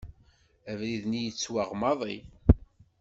Abrid-nni γettwaɣ maḍi.